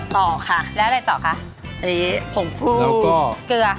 ต่อค่ะแล้วอะไรต่อคะ